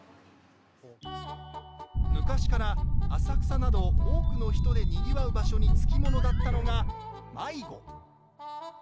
昔から、浅草など多くの人でにぎわう場所につきものだったのが、迷子。